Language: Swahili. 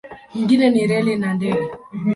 Nyingine ni reli na ndege.